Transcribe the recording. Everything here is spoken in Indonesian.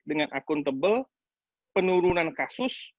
dengan akuntabel penurunan kasus